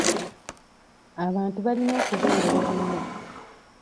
Abantu balina okubeera obumu.